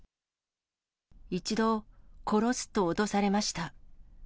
一度、殺すと脅されました。